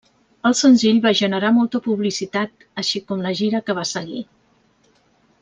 El senzill va generar molta publicitat, així com la gira que va seguir.